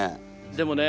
でもね